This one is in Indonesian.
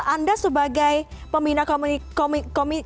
anda sebagai pembina komisi pemangku kepentingan dan konsumsi